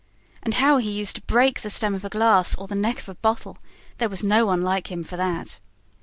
And how he used to break the stem of a glass or the neck of a bottle! There was no one like him for that."